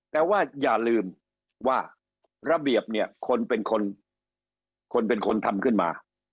แต่ว่าอย่าลืมว่าระเบียบเนี่ยคนเป็นคนทำขึ้นมา